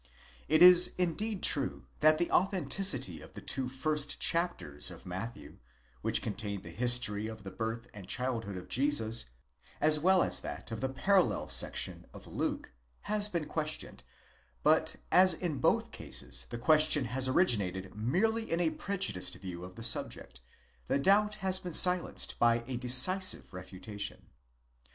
It is indeed true that the authenticity of the two first chapters of Matthew, which contain the history of the birth and childhood of Jesus, as well as that of the parallel section of Luke, has been questioned: but as in both cases the question has originated merely in a prejudiced view of the subject, the doubt has been silenced by a decisive refutation.!